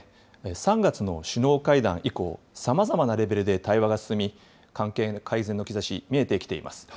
３月の首脳会談以降、さまざまなレベルで対話が進み、関係改善の兆し見えてきています。